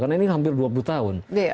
karena ini hampir dua puluh tahun